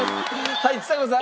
はいちさ子さん。